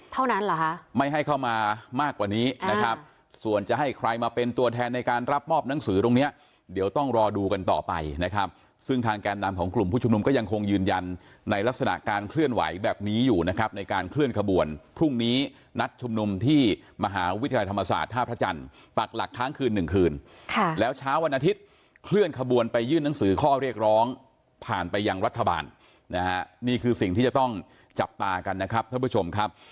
เท่านั้นหรอฮะไม่ให้เข้ามามากกว่านี้นะครับส่วนจะให้ใครมาเป็นตัวแทนในการรับมอบหนังสือตรงเนี้ยเดี๋ยวต้องรอดูกันต่อไปนะครับซึ่งทางแกนดามของกลุ่มผู้ชุมนุมก็ยังคงยืนยันในลักษณะการเคลื่อนไหวแบบนี้อยู่นะครับในการเคลื่อนขบวนพรุ่งนี้นัดชุมนุมที่มหาวิทยาลัยธรรมศาสตร์ท่า